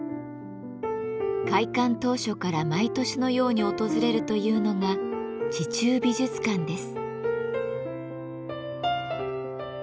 開館当初から毎年のように訪れるというのが「地中美術館」です。